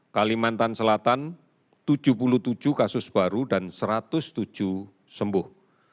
kalimantan selatan tujuh puluh tujuh kasus baru dan satu ratus tujuh sembuh